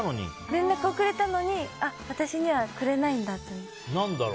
連絡をくれたのに私にはくれないんだっていう。